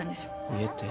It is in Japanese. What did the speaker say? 家って？